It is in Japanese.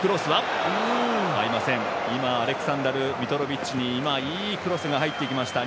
アレクサンダル・ミトロビッチにいいクロスが入っていきました。